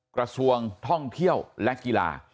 กระทรวงท่องเที่ยวและกีฬา